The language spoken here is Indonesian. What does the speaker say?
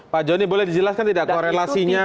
pak joni boleh dijelaskan tidak korelasinya